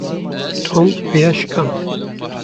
Tom vêya şikand.